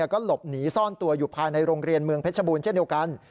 ก็หลบหนีซ่อนตัวอยู่ภายในโรงเรียนเมืองเพชรบูรณเช่นเดียวกัน